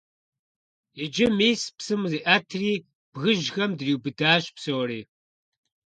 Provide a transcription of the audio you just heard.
Иджы, мис, псым зиӀэтри, бгыжьхэм дриубыдащ псори.